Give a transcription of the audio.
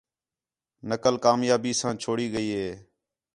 نقل کامیابی ساں چھوڑی ڳئی ہِے